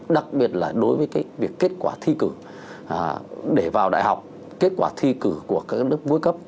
đặc biệt là đối với cái việc kết quả thi cử để vào đại học kết quả thi cử của các lớp vui cấp